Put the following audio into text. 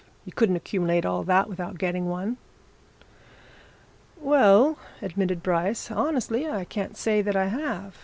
You couldn't accumulate all that without getting one." "Well," admitted Bryce, "honestly, I can't say that I have.